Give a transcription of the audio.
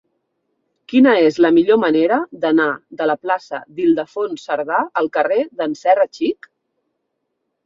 Quina és la millor manera d'anar de la plaça d'Ildefons Cerdà al carrer d'en Serra Xic?